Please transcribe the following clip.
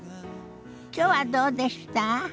きょうはどうでした？